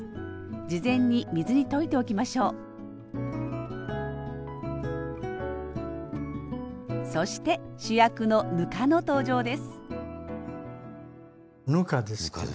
事前に水に溶いておきましょうそして主役のぬかの登場ですぬかですけど。